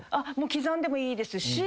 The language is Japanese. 刻んでもいいですし。